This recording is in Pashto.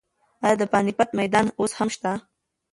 ایا د پاني پت میدان اوس هم شته؟